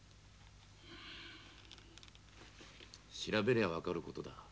調べりゃ分かる事だ。